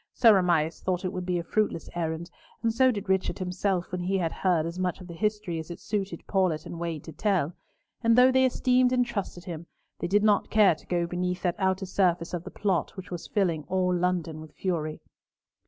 Sir Amias thought it would be a fruitless errand, and so did Richard himself, when he had heard as much of the history as it suited Paulett and Wade to tell, and though they esteemed and trusted him, they did not care to go beneath that outer surface of the plot which was filling all London with fury.